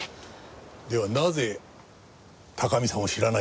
ではなぜ高見さんを知らないと嘘を？